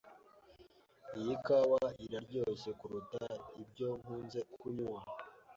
Iyi kawa iraryoshye kuruta ibyo nkunze kunywa.